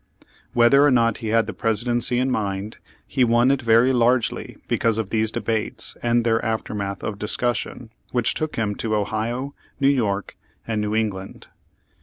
Whether or not he had the Presidency in mind, he won it very largely because of these debates and their aftermath of discussion which took him to Ohio, New York and New England.